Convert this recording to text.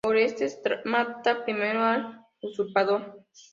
Orestes mata primero al usurpador.